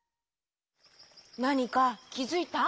なにかきづいた？